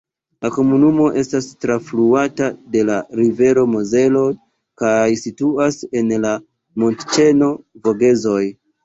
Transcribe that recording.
La komunumo estas trafluata de la rivero Mozelo kaj situas en la montĉeno Vogezoj.